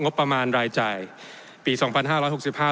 งบประมาณรายจ่ายปีสองพันห้าร้อยหกสิบห้า